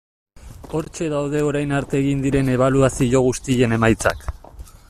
Hortxe daude orain arte egin diren ebaluazio guztien emaitzak.